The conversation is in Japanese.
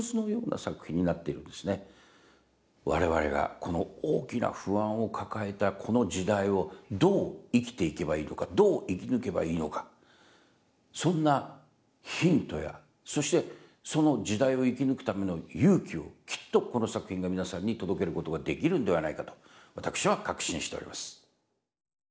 我々がこの大きな不安を抱えたこの時代をどう生きていけばいいのかどう生き抜けばいいのかそんなヒントやそしてその時代を生き抜くための勇気をきっとこの作品が皆さんに届けることができるんではないかと私は確信しております。